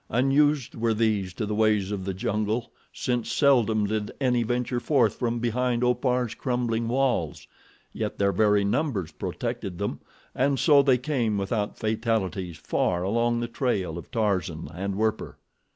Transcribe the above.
Unused were these to the ways of the jungle, since seldom did any venture forth from behind Opar's crumbling walls, yet their very numbers protected them and so they came without fatalities far along the trail of Tarzan and Werper.